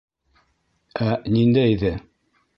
- Ә ниндәйҙе?